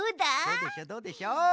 どうでしょうどうでしょう？